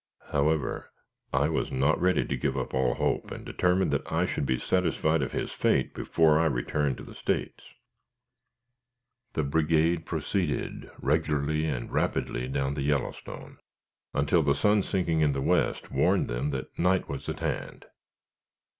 However, I was not ready to give up all hope, and determined that I should be satisfied of his fate before I returned to the States. The brigade proceeded regularly and rapidly down the Yellowstone, until the sun sinking in the west, warned them that night was at hand.